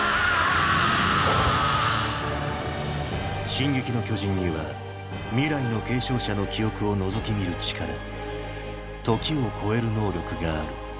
進撃の巨人には「未来の継承者の記憶を覗き見る力」ーー「時を超える能力」がある。